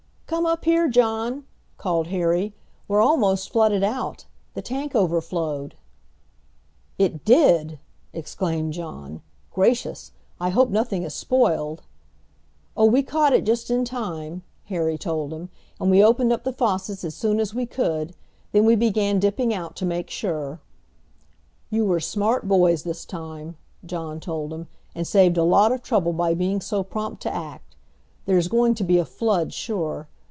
"Come up here, John!" called Harry; "we're almost flooded out. The tank overflowed." "It did!" exclaimed John. "Gracious! I hope nothing is spoiled." "Oh, we just caught it in tine," Harry told him, "and we opened up the faucets as soon as we could. Then we began dipping out, to make sure." "You were smart boys this time," John told him, "and saved a lot of trouble by being so prompt to act. There is going to be a flood sure.